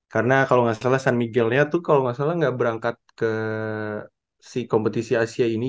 karena kalo ga salah san miguel nya tuh kalo ga salah ga berangkat ke si kompetisi asia ini